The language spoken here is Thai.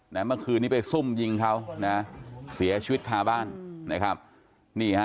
เมื่อคืนนี้ไปซุ่มยิงเขาเสียชีวิตทางบ้าน